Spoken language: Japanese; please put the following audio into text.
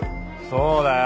そうだよ。